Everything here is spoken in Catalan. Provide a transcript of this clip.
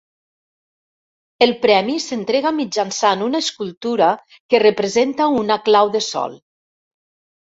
El premi s'entrega mitjançant una escultura que representa una clau de sol.